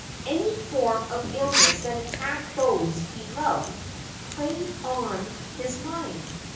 Any form of illness that attacked those he loved, preyed on his mind.